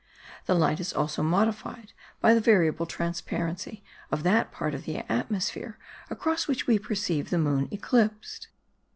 The light is also modified by the variable transparency of that part of the atmosphere across which we perceived the moon eclipsed.